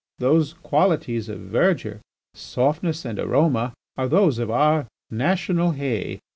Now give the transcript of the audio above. Those qualities of verdure, softness, and aroma, are those of our national hay.